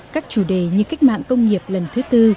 các chủ đề như cách mạng công nghiệp lần thứ tư